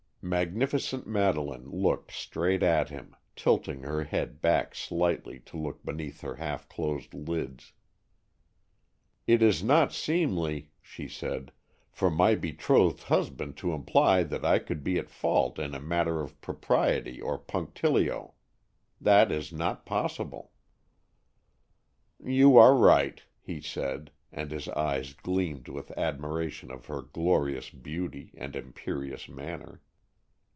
Magnificent Madeleine looked straight at him, tilting her head back slightly to look beneath her half closed lids. "It is not seemly," she said, "for my betrothed husband to imply that I could be at fault in a matter of propriety or punctilio. That is not possible." "You are right," he said, and his eyes gleamed with admiration of her glorious beauty and imperious manner.